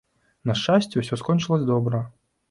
На шчасце, усё скончылася добра.